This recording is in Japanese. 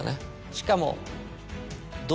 しかも。